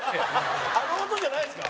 あの音じゃないんですか？